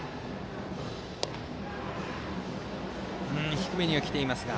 低めには来ていますが。